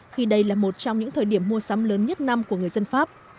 khi đây là một trong những thời điểm mua sắm lớn nhất năm của người dân pháp